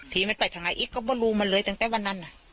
ทีมันไปทางไหนอีกก็มารู้มันเลยตั้งแต่วันนั้น